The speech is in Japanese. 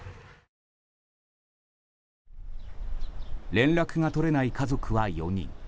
連絡が取れない家族は４人。